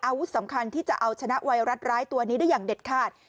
อาวุธสำคัญที่จะเอาชนะไวรัสร้ายตัวนี้ได้อย่างเด็ดขาด